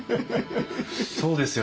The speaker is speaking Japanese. そうですよね。